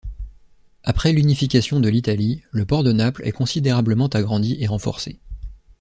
Après l'unification de l'Italie, le port de Naples est considérablement agrandi et renforcé.